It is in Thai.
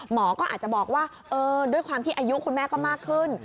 หมอก็อาจจะบอกว่าด้วยความที่อายุคุณแม่ก็มากขึ้น